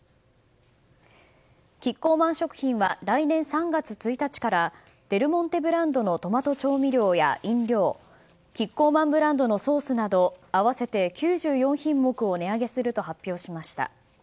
キッコーマン食品は来年３月１日からデルモンテブランドのトマト調味料や飲料キッコーマンブランドのソースなど合わせて９４品目を値上げすると発表しました。